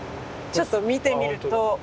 ちょっと見てみると。